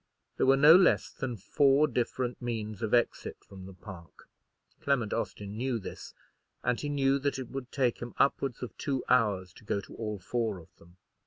There were no less than four different means of exit from the park. Clement Austin knew this, and he knew that it would take him upwards of two hours to go to all four of them.